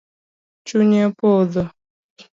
Chunye opodho